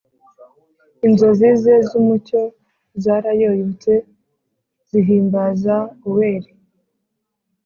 inzozi ze z'umucyo zarayoyotse, zihimbaza o'er;